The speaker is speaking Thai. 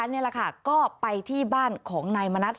นี่แหละค่ะก็ไปที่บ้านของนายมณัฐ